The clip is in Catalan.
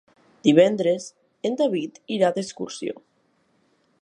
Divendres en David irà d'excursió.